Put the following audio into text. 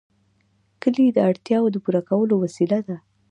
کلي د اړتیاوو د پوره کولو وسیله ده.